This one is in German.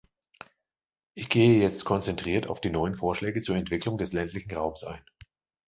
Ich gehe jetzt konzentriert auf die neuen Vorschläge zur Entwicklung des ländlichen Raums ein.